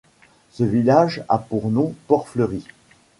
Ce village a pour nom Port-Fleuri.